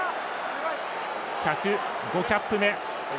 １０５キャップ目。